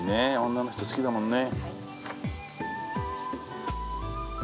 女の人好きだもんね。